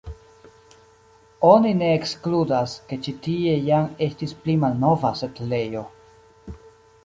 Oni ne ekskludas, ke ĉi tie jam estis pli malnova setlejo.